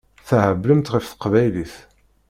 Theblemt ɣef teqbaylit.